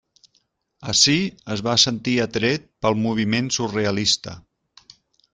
Ací es va sentir atret pel moviment surrealista.